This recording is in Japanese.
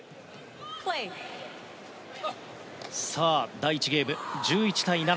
第１ゲーム１１対７。